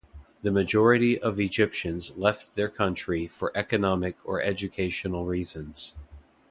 The majority of Egyptians left their country for economic or educational reasons.